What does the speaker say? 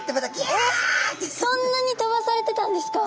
えっそんなに飛ばされてたんですか？